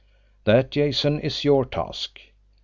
That, Jason, is your task.